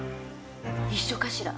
一緒かしら？